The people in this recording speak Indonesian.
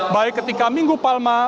baik ketika minggu palma